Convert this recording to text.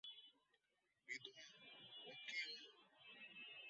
বিধু, ও কী ও!